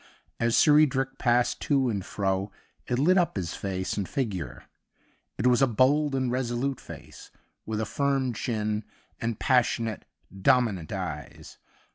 As Sir Edric passed to and fro it lit up his face and figure. It was a bold and resolute face with a firm chin and passionate, dominant eyes.